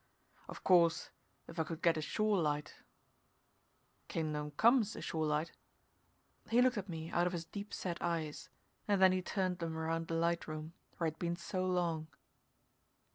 Of course if I could get a shore light " "Kingdom Come's a shore light." He looked at me out of his deep set eyes, and then he turned them around the light room, where he'd been so long.